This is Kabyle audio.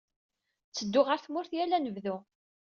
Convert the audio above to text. Ttedduɣ ɣer tmurt yal anebdu.